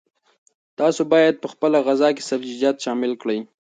تاسي باید په خپله غذا کې سبزیجات شامل کړئ.